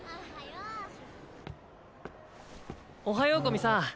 おはよう古見さん。